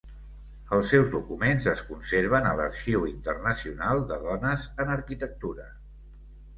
Els seus documents es conserven a l'Arxiu Internacional de Dones en Arquitectura.